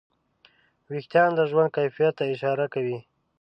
وېښتيان د ژوند کیفیت ته اشاره کوي.